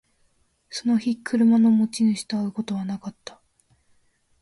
その日、車の持ち主と会うことはなかった